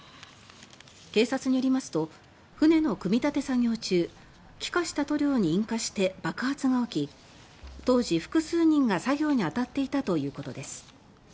警察によりますと船の組み立て作業中気化した塗料に引火して爆発が起き当時、複数人が作業に当たっていたということです。